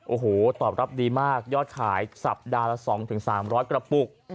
โอ้โหตอบรับดีมากยอดขายสัปดาห์ละสองถึงสามร้อยกระปุก